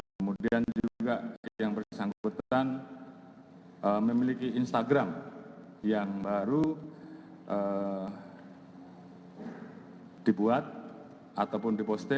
kemudian juga yang bersangkutan memiliki instagram yang baru dibuat ataupun diposting